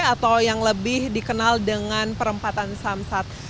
atau yang lebih dikenal dengan perempatan samsat